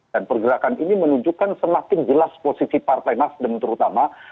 dan pergerakan ini menunjukkan semakin jelas posisi partai nasdem terutama